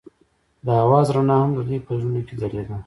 د اواز رڼا هم د دوی په زړونو کې ځلېده.